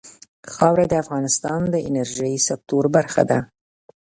خاوره د افغانستان د انرژۍ سکتور برخه ده.